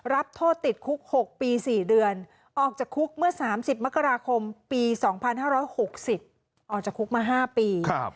รับโทษติดคุก๖ปี๔เดือนออกจากคุกเมื่อ๓๐มกราคมปี๒๕๖๐ออกจากคุกมา๕ปี